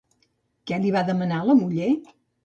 Què li va demanar la muller?